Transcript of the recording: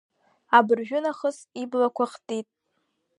Абыржәынахыс иблақәа хтит.